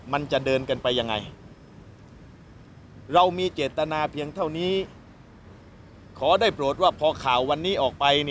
มันจะเดินกันไปยังไงเรามีเจตนาเพียงเท่านี้ขอได้โปรดว่าพอข่าววันนี้ออกไป